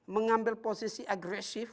mengambil posisi agresif